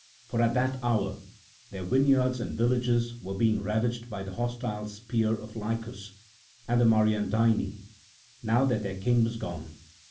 For at that hour their vineyards and villages were being ravaged by the hostile spear of Lycus and the Mariandyni, now that their king was gone.